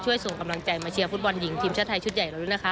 ส่งกำลังใจมาเชียร์ฟุตบอลหญิงทีมชาติไทยชุดใหญ่เราด้วยนะคะ